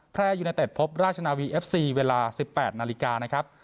แพร่ยูนาเต็ดพบราชนาวีเอฟซีเวลาสิบแปดนาฬิกานะครับ